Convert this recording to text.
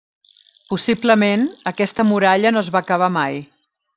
Possiblement, aquesta muralla no es va acabar mai.